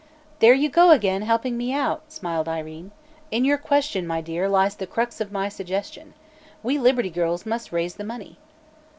"There you go again, helping me out!" smiled Irene. "In your question, my dear, lies the crux of my suggestion. We Liberty Girls must raise the money."